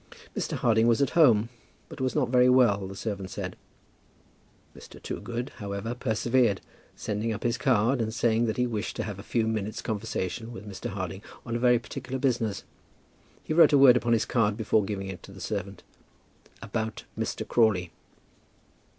Mr. Harding was at home, but was not very well, the servant said. Mr. Toogood, however, persevered, sending up his card, and saying that he wished to have a few minutes' conversation with Mr. Harding on very particular business. He wrote a word upon his card before giving it to the servant, "about Mr. Crawley."